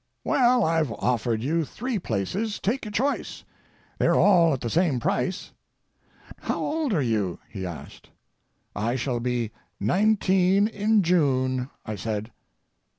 "Well, I've offered you three places. Take your choice. They're all at the same price." "How old are you?" he asked. "I shall be nineteen in June," I said.